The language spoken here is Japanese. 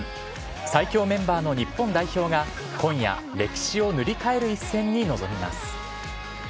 最強メンバーの日本代表が、今夜、歴史を塗り替える一戦に臨みます。